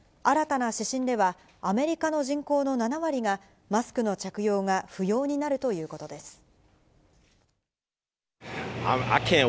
新たな指針では、アメリカの人口の７割が、マスクの着用が不要になるということです。